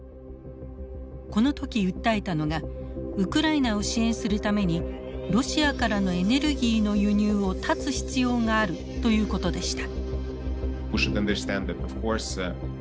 この時訴えたのがウクライナを支援するためにロシアからのエネルギーの輸入を断つ必要があるということでした。